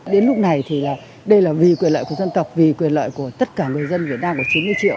đến lúc này thì đây là vì quyền lợi của dân tộc vì quyền lợi của tất cả người dân việt nam được chín mươi triệu